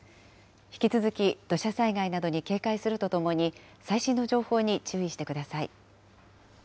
引き続き土砂災害などに警戒するとともに、最新の情報に注意してください。